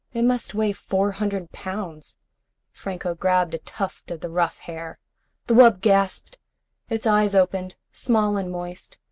It must weigh four hundred pounds." Franco grabbed a tuft of the rough hair. The wub gasped. Its eyes opened, small and moist.